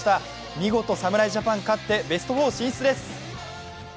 見事、侍ジャパン勝って、ベスト４進出です。